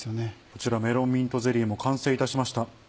こちらメロンミントゼリーも完成いたしました。